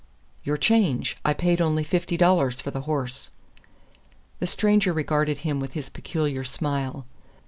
"Your change. I paid only fifty dollars for the horse." The stranger regarded him with his peculiar smile.